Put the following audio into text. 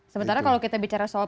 sementara kalau kita bicara soal